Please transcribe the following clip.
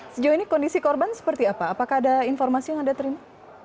sejauh ini kondisi korban seperti apa apakah ada informasi yang anda terima